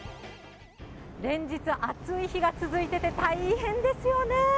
連日、暑い日が続いていて、大変ですよね。